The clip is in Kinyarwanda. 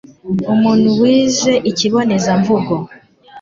umuntu wize ikibonezamvugo